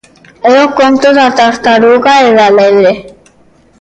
É o conto da tartaruga e da lebre.